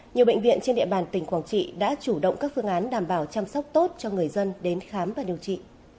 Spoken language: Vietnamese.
nhiều bệnh viện trên địa bàn tỉnh quảng trị đã chủ động các phương án đảm bảo chăm sóc tốt cho người dân đến khám và điều trị